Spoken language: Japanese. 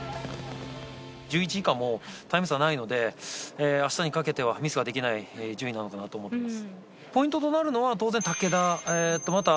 １１位以下、もう大差がないので、明日にかけてはミスができない順位なのかなと思っています。